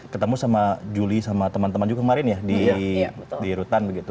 ketemu sama julie sama teman teman juga kemarin ya di rutan begitu